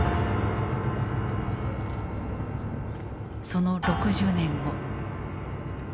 その６０年後。